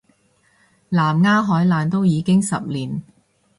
南丫海難都已經十年